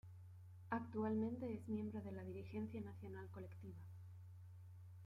Actualmente es miembro de la dirigencia nacional colectiva.